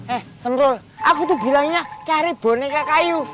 eh sentul aku tuh bilangnya cari boneka kayu